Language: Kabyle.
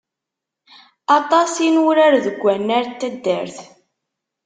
Aṭas i nurar deg wannar n taddart.